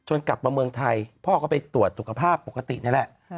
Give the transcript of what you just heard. กลับมาเมืองไทยพ่อก็ไปตรวจสุขภาพปกตินี่แหละ